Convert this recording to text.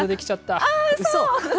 うそ！